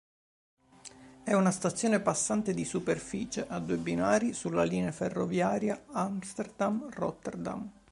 È una stazione passante di superficie a due binari sulla linea ferroviaria Amsterdam-Rotterdam.